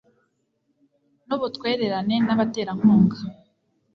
n ubutwererane n abaterankunga